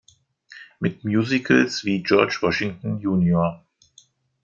Mit Musicals wie "George Washington Jr.